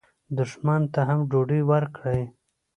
دښمن ته هم ډوډۍ ورکړئ